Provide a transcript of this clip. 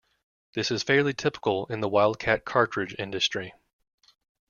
This is fairly typical in the "wildcat cartridge" industry.